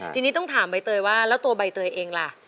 ทีนี้ต้องถามใบเตยว่าแล้วตัวใบเตยเองล่ะ